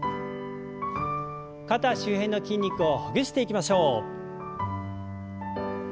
肩周辺の筋肉をほぐしていきましょう。